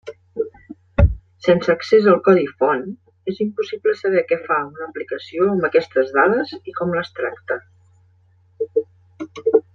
Sense accés al codi font és impossible saber què fa una aplicació amb aquestes dades, i com les tracta.